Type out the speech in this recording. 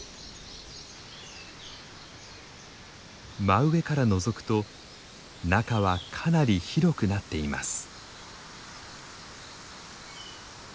真上からのぞくと中はかなり広くなっています。